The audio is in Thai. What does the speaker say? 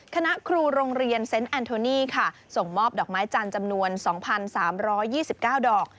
คณะครูโรงเรียนเซ็นต์แอนโทนี่ค่ะส่งมอบดอกไม้จันทร์จำนวน๒๓๒๙ดอก